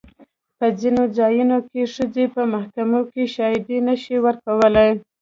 په ځینو ځایونو کې ښځې په محکمې کې شاهدي نه شي ورکولی.